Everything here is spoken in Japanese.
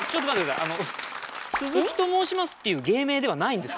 あの「鈴木と申します」っていう芸名ではないんですよ。